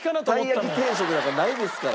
たい焼き定食なんかないですから。